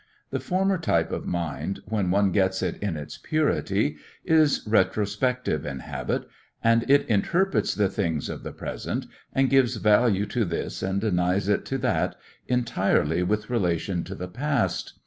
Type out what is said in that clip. The former type of mind, when one gets it in its purity, is retrospective in habit, and it interprets the things of the present, and gives value to this and denies it to that, entirely with relation to the past.